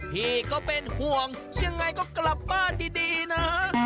พี่ก็เป็นห่วงยังไงก็กลับบ้านดีนะ